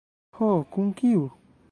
Ho, kun kiu?